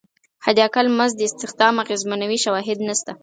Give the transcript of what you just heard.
حداقل مزد استخدام اغېزمنوي شواهد نشته.